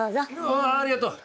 ああありがとう。